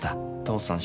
父さん